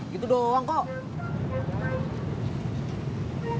gitu doang kok